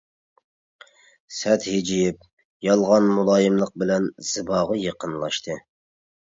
سەت ھىجىيىپ، يالغان مۇلايىملىق بىلەن زىباغا يېقىنلاشتى.